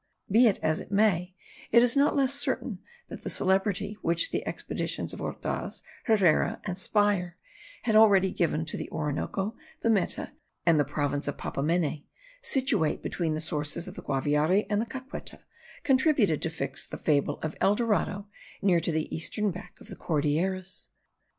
Be it as it may, it is not less certain that the celebrity which the expeditions of Ordaz, Herrera, and Speier had already given to the Orinoco, the Meta, and the province of Papamene, situate between the sources of the Guaviare and Caqueta, contributed to fix the fable of El Dorado near to the eastern back of the Cordilleras.